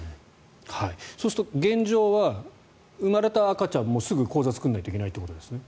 そうすると現状は生まれた赤ちゃんもすぐ口座を作らないといけないということですね。